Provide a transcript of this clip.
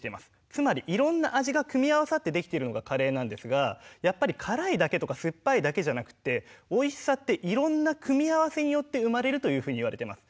つまりいろんな味が組み合わさってできているのがカレーなんですがやっぱり辛いだけとかすっぱいだけじゃなくっておいしさっていろんな組み合わせによって生まれるというふうにいわれてます。